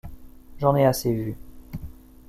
J’en ai assez vu.